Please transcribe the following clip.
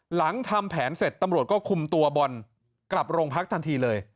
หลังทำแผนเสร็จตำรวจก็คุมตัวบอลกลับโรงพักทันทีเลย